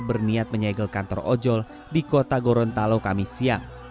berniat menyegel kantor ojol di kota gorontalo kami siang